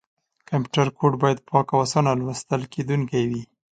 کمپیوټر کوډ باید پاک او اسانه لوستل کېدونکی وي.